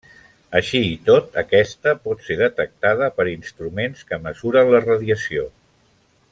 Així i tot, aquesta pot ser detectada per instruments que mesuren la radiació.